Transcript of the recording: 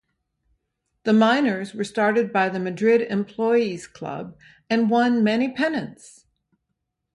The Miners were started by the Madrid Employees Club and won many pennants.